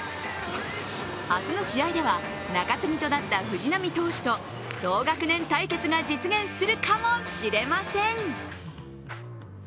明日の試合では中継ぎとなった藤浪投手と同学年対決が実現するかもしれません。